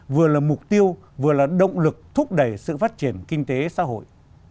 vừa là mục tiêu vừa là động lực thúc đẩy sự phát triển kinh tế xã hội